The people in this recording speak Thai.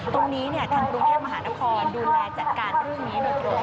ตรงนี้ทางกรุงเทพมหานครดูแลจัดการเรื่องนี้โดยตรง